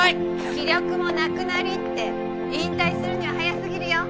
気力もなくなりって引退するには早すぎるよ！